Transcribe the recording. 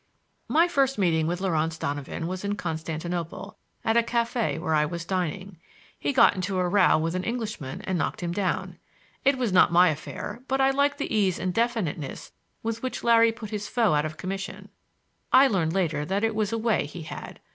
My first meeting with Laurance Donovan was in Constantinople, at a café where I was dining. He got into a row with an Englishman and knocked him down. It was not my affair, but I liked the ease and definiteness with which Larry put his foe out of commission. I learned later that it was a way he had.